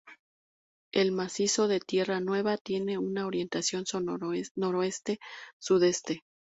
El macizo de Tierra Nueva tiene una orientación noroeste sudeste.